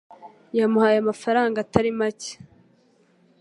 Yamuhaye amafaranga atari make